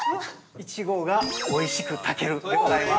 ◆１合がおいしく炊けるでございます。